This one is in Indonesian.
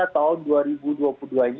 tahun dua ribu dua puluh dua ini